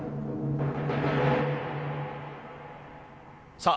さあ